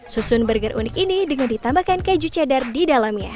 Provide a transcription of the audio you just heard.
susun burger unik ini dengan ditambahkan keju cheddar di dalamnya